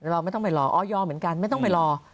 เราไม่ต้องไปรอออยเหมือนกันไม่ต้องไปรอ